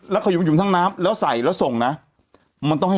แล้วขยุมทั้งน้ำแล้วใส่แล้วส่งนะมันต้องให้